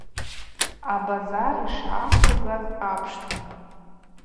Абазар йшгӏаквыргаз апшта.